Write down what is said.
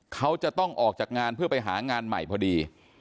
เขาจะต้องออกจากงานเพื่อไปหางานใหม่พอดี